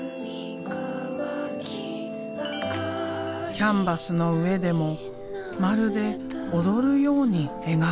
キャンバスの上でもまるで踊るように描く。